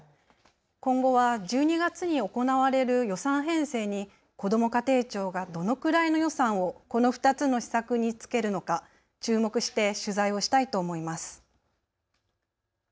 今後は１２月に行われる予算編成にこども家庭庁がどのくらいの予算をこの２つの施策につけるのか、注目して取材をしたいと思います。